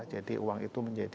jadi uang itu menjadi